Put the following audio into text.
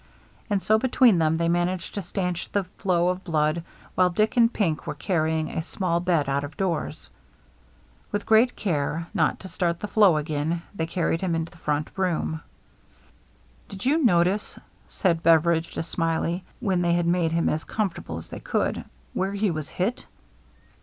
And so THE MEETING 341 between them they managed to stanch the flow of blood while Dick and Pink were carrying a small bed out of doors. With great care not to start the flow again, they carried him into the front room. " Did you notice," said Beveridge to Smiley, when they had made him as comfortable as they could, " where he was hit